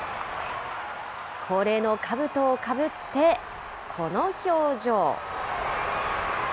恒例のかぶとをかぶって、この表情。